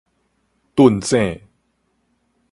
頓井